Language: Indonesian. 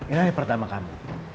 ini hari pertama kamu